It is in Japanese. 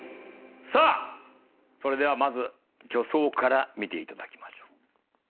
さあそれではまず助走から見ていただきましょう。